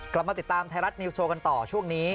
กลับมาติดตามไทยรัฐนิวสโชว์กันต่อช่วงนี้